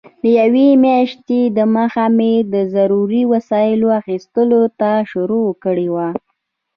له یوې میاشتې دمخه مې د ضروري وسایلو اخیستلو ته شروع کړې وه.